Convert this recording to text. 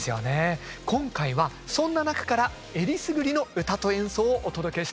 今回はそんな中からえりすぐりの唄と演奏をお届けしてまいります。